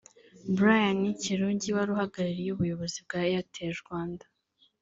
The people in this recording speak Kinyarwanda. Brian Kirungi wari uhagarariye ubuyobozi bwa Airtel Rwanda